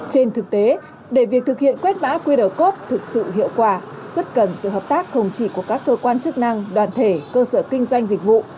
trên thực tế để việc thực hiện quét mã qr code thực sự hiệu quả rất cần sự hợp tác không chỉ của các cơ quan chức năng đoàn thể cơ sở kinh doanh dịch vụ